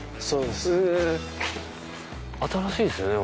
そうです。